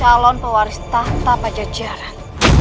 salon pewaris tahta pajajaran